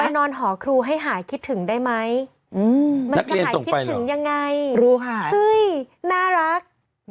นอนหอครูให้หายคิดถึงได้ไหมมันจะหายคิดถึงยังไงรู้ค่ะเฮ้ยน่ารัก